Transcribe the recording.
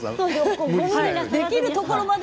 できるところまで。